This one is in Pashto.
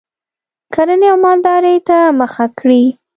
کرنې او مالدارۍ ته مخه کړي